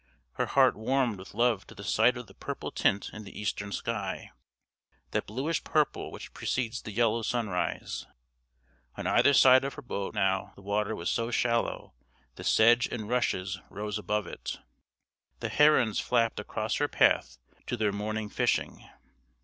Her heart warmed with love to the sight of the purple tint in the eastern sky, that bluish purple which precedes the yellow sunrise. On either side of her boat now the water was so shallow that sedge and rushes rose above it. The herons flapped across her path to their morning fishing.